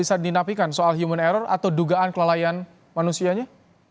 bisa dinapikan soal human error atau dugaan kelalaian manusianya